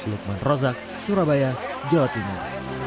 lukman rozak surabaya jawa timur